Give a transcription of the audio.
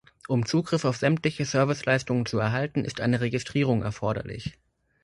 Um Zugriff auf sämtliche Serviceleistungen zu erhalten, ist eine Registrierung erforderlich.